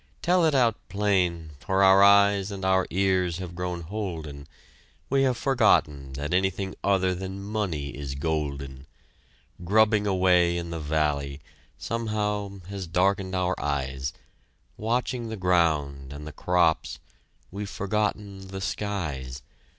Tell it out plain, for our eyes and our ears have grown holden; We have forgotten that anything other than money is golden. Grubbing away in the valley, somehow has darkened our eyes; Watching the ground and the crops we've forgotten the skies.